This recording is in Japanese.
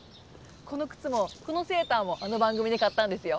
このくつもこのセーターもあの番組で買ったんですよ。